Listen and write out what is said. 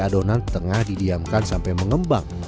adonan tengah didiamkan sampai mengembang